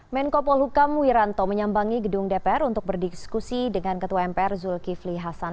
menko polhukam wiranto menyambangi gedung dpr untuk berdiskusi dengan ketua mpr zulkifli hasan